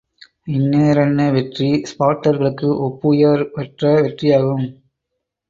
இன்னேரன்ன வெற்றி ஸ்பாட்டர்களுக்கு ஒப்புயர் வற்ற வெற்றியாகும்.